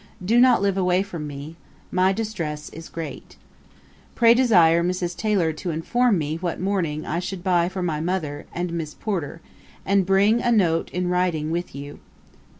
Do not live away from me. My distress is great. 'Pray desire Mrs. Taylor to inform me what mourning I should buy for my mother and Miss Porter, and bring a note in writing with you.